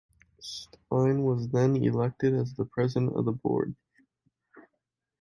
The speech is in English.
Stein was then elected as the President of the Board.